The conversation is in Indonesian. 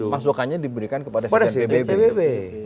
masukannya diberikan kepada sekjen pbb